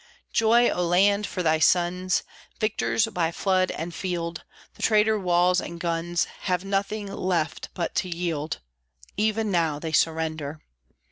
Joy, O Land, for thy sons, Victors by flood and field! The traitor walls and guns Have nothing left but to yield (Even now they surrender!).